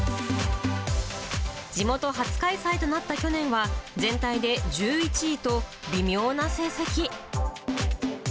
地元初開催となった去年は、全体で１１位と、微妙な成績。